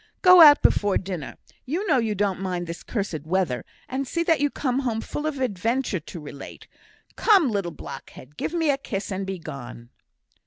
"Go out before dinner; you know you don't mind this cursed weather; and see that you come home full of adventures to relate. Come, little blockhead! give me a kiss, and begone."